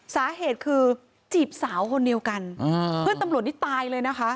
สาเหตุคือจีบสาวคนเดียวกันเพื่อนตำรวจนี่ตายเลยนะคะ